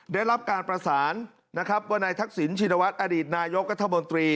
ได้รับการประสานนะครับว่านายทักษิณชินวัฒน์อดีตนายกรัฐมนตรี